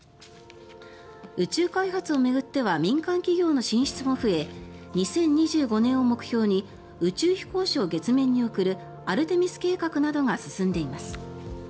宇宙開発を巡っては民間企業の進出も増え２０２５年を目標に宇宙飛行士を月面に送るアルテミス計画などが進んでいます。